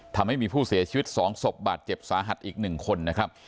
ทำให้มีผู้เสียชีวิต๒ศพบาดเจ็บสาหัสอีก๑คนนะครับ